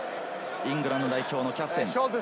イングランド代表のキャプテン。